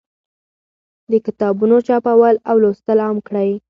د کتابونو چاپول او لوستل عام کړئ.